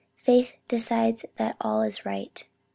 Faith decides that all is right."